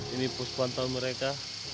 ini pus pantal mereka